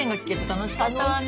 楽しかったわ。